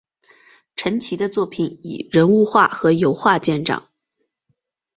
陈奇的作品以人物画和油画见长。